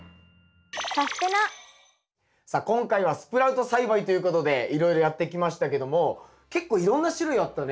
さあ今回はスプラウト栽培ということでいろいろやってきましたけども結構いろんな種類あったね。